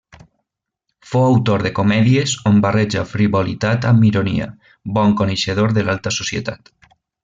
Fou autor de comèdies on barreja frivolitat amb ironia, bon coneixedor de l'alta societat.